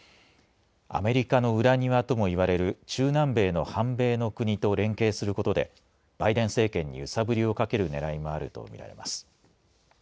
アメリカの裏庭ともいわれる中南米の反米の国と連携することでバイデン政権に揺さぶりをかけるねらいもあるとみられます。